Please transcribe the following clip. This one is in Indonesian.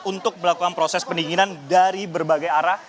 untuk melakukan proses pendinginan dari berbagai arah